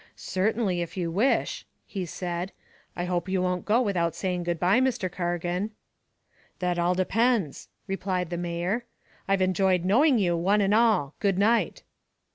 "Certainly, if you wish," he said. "I hope you won't go without saying good by, Mr. Cargan." "That all depends," replied the mayor. "I've enjoyed knowing you, one and all. Good night."